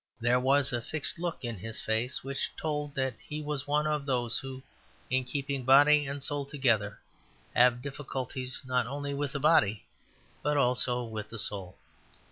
There was a fixed look in his face which told that he was one of those who in keeping body and soul together have difficulties not only with the body, but also with the soul.